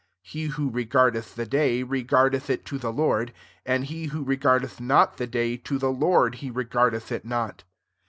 6 {He who regardeth the day, re gardeth it to the Lord ; and he who regardeth not the day to the Lord he regardeth it not.